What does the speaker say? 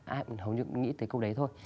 hầu như nghĩ tới câu đấy thôi